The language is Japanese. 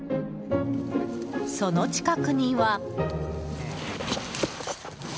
その近くには。